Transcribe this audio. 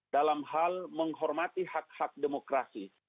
dalam hal menghormati hak hak demokrasi